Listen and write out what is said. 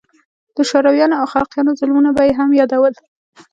د شورويانو او خلقيانو ظلمونه به يې هم يادول.